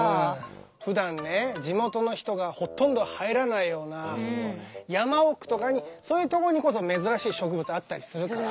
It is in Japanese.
ふだんね地元の人がほとんど入らないような山奥とかにそういうとこにこそ珍しい植物あったりするから。